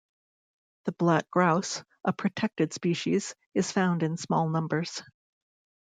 The black grouse, a protected species, is found in small numbers.